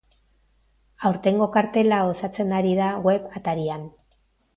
Aurtengo kartela osatzen ari da web atarian.